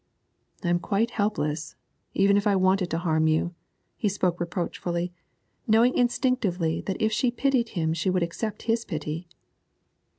'I am quite helpless, even if I wanted to harm you.' He spoke reproachfully, knowing instinctively that if she pitied him she would accept his pity.